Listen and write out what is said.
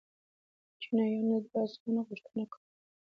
چینایانو د دې آسونو غوښتنه کوله